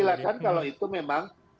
silakan kalau itu memang